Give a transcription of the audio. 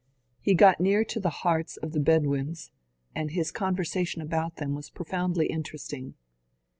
He got near to the hearts of the Bedouins, and his conversation about them was profoundly interesting.